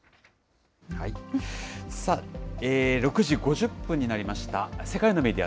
６時５０分になりました。